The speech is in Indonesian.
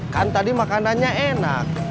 kan tadi makanannya enak